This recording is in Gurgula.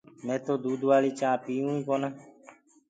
مي تو دودوآݪي چآنه پيئو ئي ڪونآ